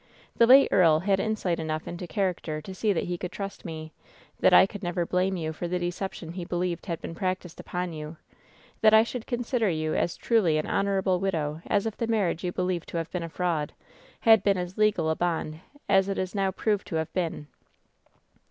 The late earl had insight enough into character to see that he could trust me ; that I could never blame you for the deception he believed had been practiced upon you ; that I should consider you as truly an honor able widow as if the marriage you believed to have been a fraud, had been as legal a bond as it is now proved to have been